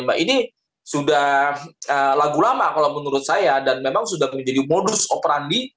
nah ini sudah lagu lama kalau menurut saya dan memang sudah menjadi modus operandi